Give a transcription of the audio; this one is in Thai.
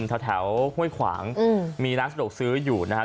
แถวห้วยขวางมีร้านสะดวกซื้ออยู่นะฮะ